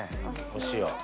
お塩。